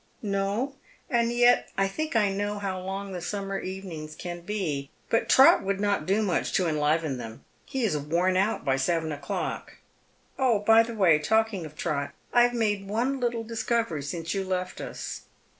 " No ? And yet I think I know how long the summer evenings can be. But Trot would not do much to enliven them. He is worn out by seven o'clock. Oh, by the way, talking of Trot, I have made one little discovery since you left us."